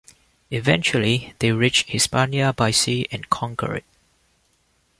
Eventually, they reach Hispania by sea and conquer it.